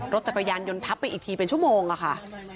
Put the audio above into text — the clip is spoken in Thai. รถจักรยานยนต์ทับไปอีกทีเป็นชั่วโมงอะค่ะ